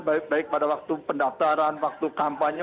baik baik pada waktu pendaftaran waktu kampanye